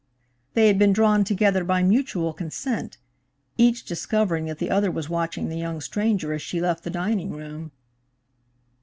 They had been drawn together by mutual consent, each discovering that the other was watching the young stranger as she left the dining room.